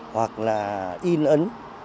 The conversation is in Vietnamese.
hoặc là in ấn